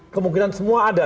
kemungkinan semua ada